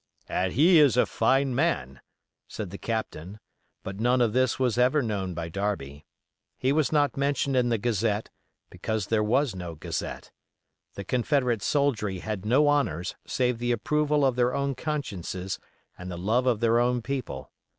"And he is a fine man," said the captain; but none of this was ever known by Darby. He was not mentioned in the gazette, because there was no gazette. The confederate soldiery had no honors save the approval of their own consciences and the love of their own people.